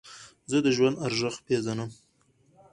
زه د ژوند ارزښت پېژنم.